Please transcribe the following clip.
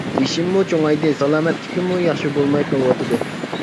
يېشىممۇ چوڭايدى، سالامەتلىكىممۇ ياخشى بولماي قىلىۋاتىدۇ.